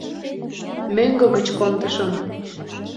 — Мӧҥгӧ гыч кондышым...